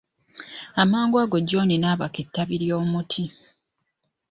Amangu ago John n'abaka ettabi ly'omuti.